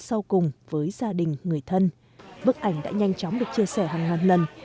sau cùng với gia đình người thân bức ảnh đã nhanh chóng được chia sẻ hàng ngàn lần